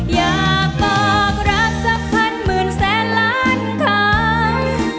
อยากบอกรักสักพันหมื่นแสนล้านครั้ง